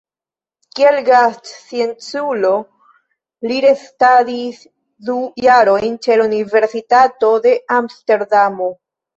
Kiel gastscienculo li restadis du jarojn ĉe la Universitato de Amsterdamo.